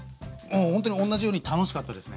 ほんとに同じように楽しかったですね。